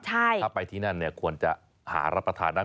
ถ้าไปที่นั่นเนี่ยควรจะหารับประทานนะ